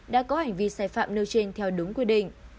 đã có hành vi sai phạm nêu trên theo đúng quy định